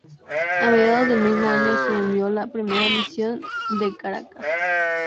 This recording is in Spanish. A mediados del mismo año se envió la primera misión a Caracas.